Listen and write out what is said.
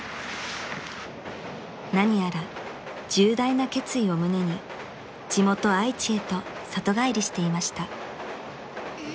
［何やら重大な決意を胸に地元愛知へと里帰りしていました］